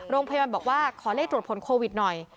โรงพยาบาลบอกว่าขอเลขตรวจผลโควิดหน่อย